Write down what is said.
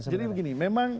jadi begini memang